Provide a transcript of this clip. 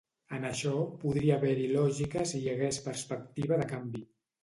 En això podria haver-hi lògica si hi hagués perspectiva de canvi.